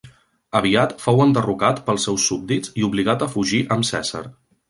Aviat fou enderrocat pels seus súbdits i obligat a fugir amb Cèsar.